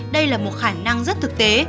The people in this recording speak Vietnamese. đây là một khả năng rất thực tế